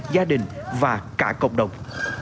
gia đình và cả cộng đồng